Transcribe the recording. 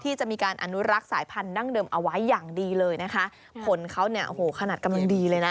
จะมีการอนุรักษ์สายพันธั้งเดิมเอาไว้อย่างดีเลยนะคะผลเขาเนี่ยโอ้โหขนาดกำลังดีเลยนะ